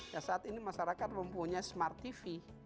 ya saat ini masyarakat mempunyai smart tv